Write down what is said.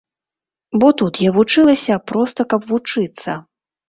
Бо тут я вучылася, проста каб вучыцца.